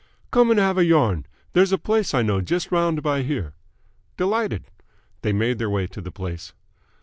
"Come and have a yarn. There's a place I know just round by here." "Delighted." They made their way to the place.